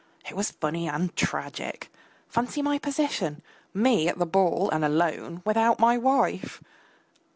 It was funny and tragic! Fancy my position! Me at the ball and alone, without my wife!